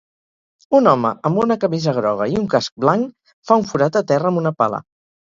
Un home amb una camisa groga i un casc blanc fa un forat a terra amb una pala